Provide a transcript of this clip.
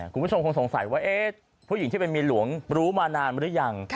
คุณผู้ชมคงสงสัยว่าผู้หญิงที่เป็นเมียหลวงรู้มานานหรือยัง